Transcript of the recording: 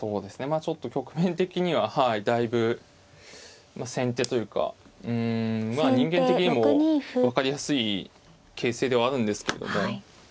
まあちょっと局面的にはだいぶ先手というかうんまあ人間的にも分かりやすい形勢ではあるんですけれども。